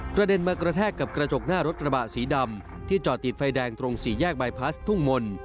เด็นมากระแทกกับกระจกหน้ารถกระบะสีดำที่จอดติดไฟแดงตรงสี่แยกบายพลาสทุ่งมนต์